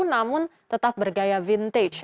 namun tetap bergaya vintage